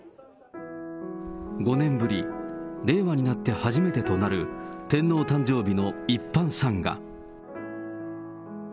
５年ぶり、令和になって初めてとなる、天皇誕生日の一般参賀。